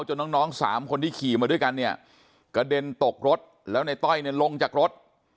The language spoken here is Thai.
น้องน้องสามคนที่ขี่มาด้วยกันเนี่ยกระเด็นตกรถแล้วในต้อยเนี่ยลงจากรถ